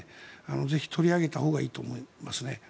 ぜひ、取り上げたほうがいいと思いますね。